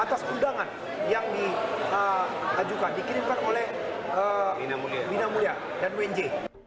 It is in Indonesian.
atas undangan yang dikirimkan oleh bina mulia dan wnj